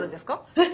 えっ？